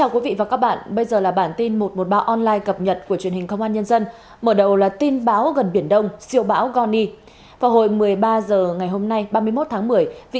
cảm ơn các bạn đã theo dõi